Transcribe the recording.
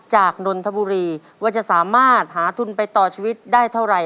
นนทบุรีว่าจะสามารถหาทุนไปต่อชีวิตได้เท่าไหร่